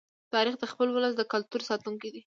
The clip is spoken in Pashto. تاریخ د خپل ولس د کلتور ساتونکی دی.